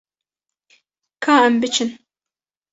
Ka em biçin.